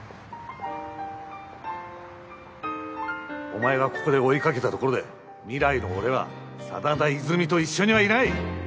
お前がここで追いかけたところで未来の俺は真田和泉と一緒にはいない！